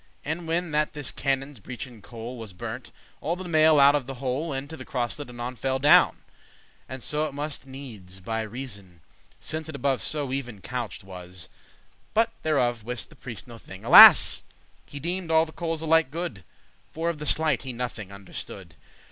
And whenne that this canon's beechen coal Was burnt, all the limaile out of the hole Into the crosselet anon fell down; And so it muste needes, by reasoun, Since it above so *even couched* was; *exactly laid* But thereof wist the priest no thing, alas! He deemed all the coals alike good, For of the sleight he nothing understood.